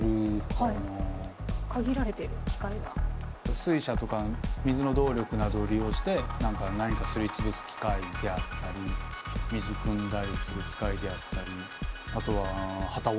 水車とか水の動力などを利用して何か何かすり潰す機械であったり水くんだりする機械であったりあとは機織り機とか。